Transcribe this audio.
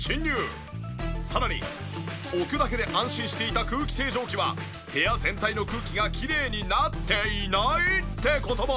さらに置くだけで安心していた空気清浄機は部屋全体の空気がきれいになっていない！？って事も。